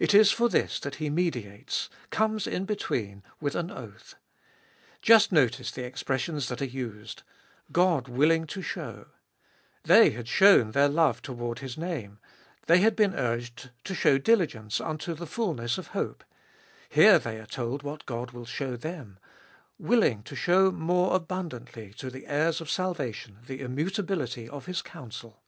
It is for this that He mediates, comes in between, with an oath. Just notice the expressions that are used : God willing to show — they had shown their love toward His name ; they had been urged to show diligence unto the fulness of hope ; here they are told what God will show them — willing to show more abundantly to the heirs of salvation the immutability of His counsel.